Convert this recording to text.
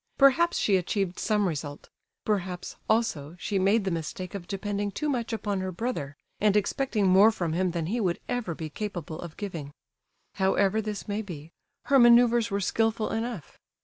Perhaps she achieved some result; perhaps, also, she made the mistake of depending too much upon her brother, and expecting more from him than he would ever be capable of giving. However this may be, her manoeuvres were skilful enough.